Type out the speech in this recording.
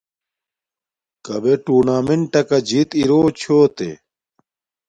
کبݺ ٹݸنݳمنٹَکݳ جݵت اِرݸ چھݸتݺ؟